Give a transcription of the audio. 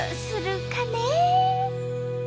するかね？